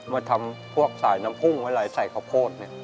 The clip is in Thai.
มาทำพวกสายน้ำพุ่งไว้ไหลใส่ข้าวโพดเนี่ย